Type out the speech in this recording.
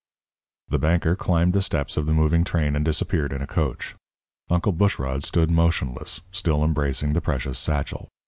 The banker climbed the steps of the moving train and disappeared in a coach. Uncle Bushrod stood motionless, still embracing the precious satchel.